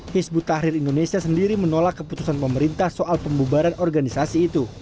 hizbut tahrir indonesia sendiri menolak keputusan pemerintah soal pembubaran organisasi itu